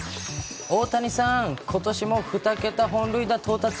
大谷さん、ことしも２桁本塁打到達。